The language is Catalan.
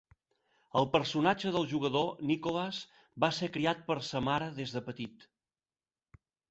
El personatge del jugador, Nicholas, va ser criat per sa mare des de petit.